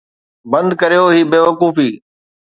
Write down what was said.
بند ڪريو هي بيوقوفي